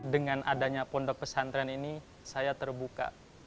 dengan adanya pondok pesantren ini saya terbuka